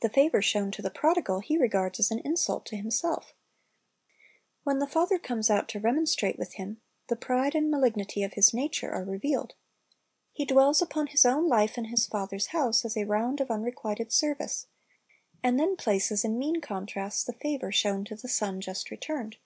The favor shown the prodigal he regards as an insult to himself When the father comes out to remonstrate with him, the pride and malignity of his nature are revealed. He dwells upon his own life in his father's house as a round of unrequited service, and then places in mean contrast the favor shown to the son just returned.